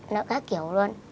nợ các kiểu luôn